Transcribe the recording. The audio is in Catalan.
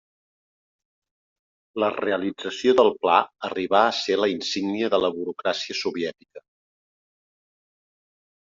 La realització del pla arribà a ser la insígnia de la burocràcia soviètica.